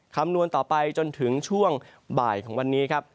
คำนวณต่อไปจนถึงช่วงบ่ายของวันนี้ครับ